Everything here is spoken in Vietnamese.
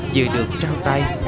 vừa được trao tay